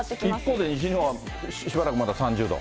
一方で西日本は、しばらくまだ３０度。